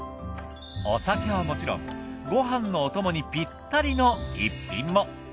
お酒はもちろんごはんのお供にぴったりの逸品も。